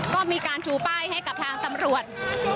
ก็มีการชูป้ายให้กับทางตำรวจ